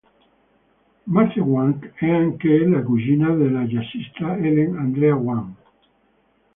Marthe Wang è anche la cugina della jazzista Ellen Andrea Wang.